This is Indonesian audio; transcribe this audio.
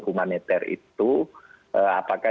humanitar itu apakah